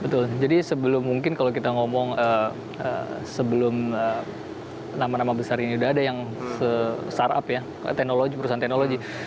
betul jadi sebelum mungkin kalau kita ngomong sebelum nama nama besar ini udah ada yang startup ya teknologi perusahaan teknologi